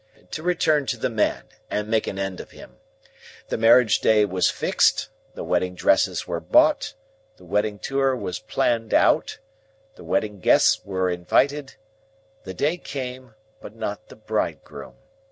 To return to the man and make an end of him. The marriage day was fixed, the wedding dresses were bought, the wedding tour was planned out, the wedding guests were invited. The day came, but not the bridegroom.